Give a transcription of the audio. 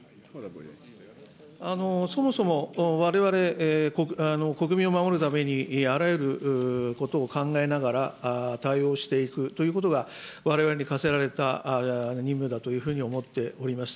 そもそもわれわれ国民を守るために、あらゆることを考えながら対応していくということがわれわれに課せられた任務だというふうに思っております。